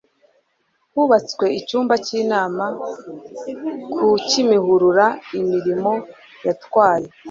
hubatswe icyumba cy inama ku kimihurura imirimo yatwaye